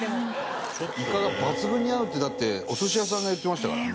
「イカが抜群に合う」ってだってお寿司屋さんが言ってましたから。